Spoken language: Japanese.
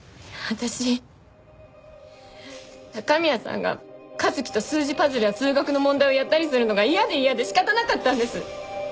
私高宮さんが一輝と数字パズルや数学の問題をやったりするのが嫌で嫌で仕方なかったんです。